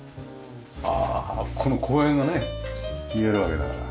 ああこの公園がね見えるわけだから。